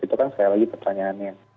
itu kan sekali lagi pertanyaannya